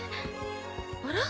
あら？